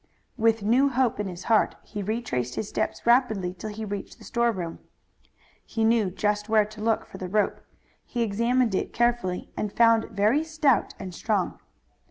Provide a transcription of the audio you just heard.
With new hope in his heart he retraced his steps rapidly till he reached the storeroom. He knew just where to look for the rope. He examined it carefully and found it very stout and strong.